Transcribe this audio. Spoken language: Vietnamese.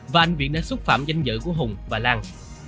và anh viện đã xúc phạm danh dự của hùng và lan